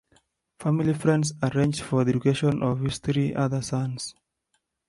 Family friends arranged for the education of his three other sons.